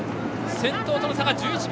先頭との差が１１秒。